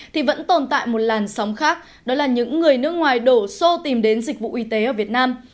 thì vẫn tồn tại một làn sóng khác đó là những người nước ngoài đổ xô tìm đến dịch vụ y tế ở việt nam